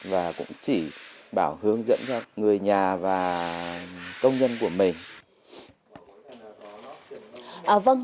và cũng chỉ bảo hướng dẫn cho người nhà và công nhân của mình